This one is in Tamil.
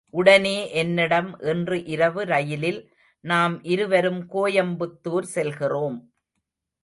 உடனே என்னிடம் இன்று இரவு ரயிலில் நாம் இருவரும் கோயம்புத்தூர் செல்கிறோம்.